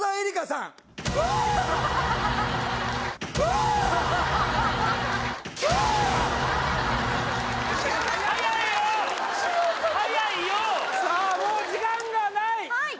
さあもう時間がない！